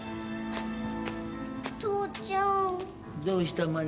どうした？